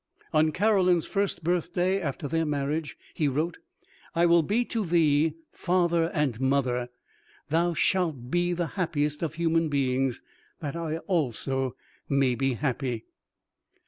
On Caroline's first birthday after their marriage, he wrote, "I will be to thee father and mother! Thou shalt be the happiest of human beings, that I also may be happy."